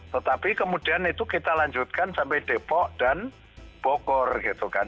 tetapi kemudian itu kita lanjutkan sampai depok dan bogor gitu kan